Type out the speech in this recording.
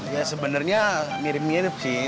ya sebenarnya mirip mirip sih